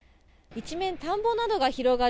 一面田んぼなどが広がる